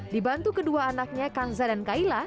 dibantu kedua anaknya kanza dan kaila